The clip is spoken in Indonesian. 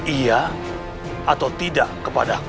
iya atau tidak kepadaku